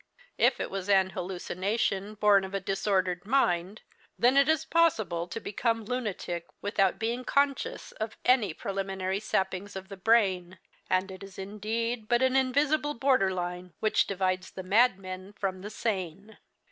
If it was an hallucination born of a disordered mind, then it is possible to become lunatic without being conscious of any preliminary sappings of the brain; and it is indeed but an invisible border line which divides the madmen from the sane.